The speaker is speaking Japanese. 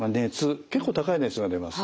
結構高い熱が出ます。